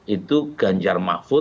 itu ganjar mahfud ada